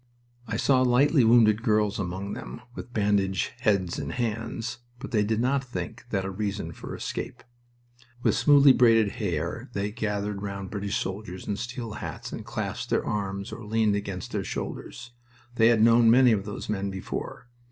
I saw lightly wounded girls among them, with bandaged heads and hands, but they did not think that a reason for escape. With smoothly braided hair they gathered round British soldiers in steel hats and clasped their arms or leaned against their shoulders. They had known many of those men before.